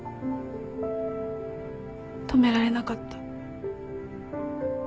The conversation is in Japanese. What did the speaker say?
止められなかった。